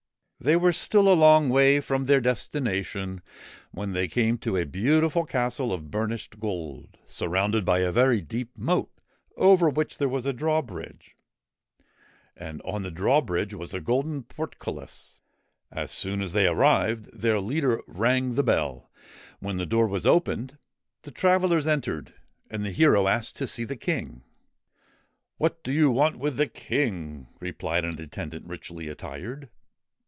They were still a long way from their destination when they came to a beautiful castle of burnished gold, surrounded by a very deep moat over which was a drawbridge ; and on the bridge was a golden portcullis. As soon as they arrived, their leader rang the bell. When the door was opened, the travellers entered, and the hero asked to see the King. 'What do you want with the King?' replied an attendant, richly attired.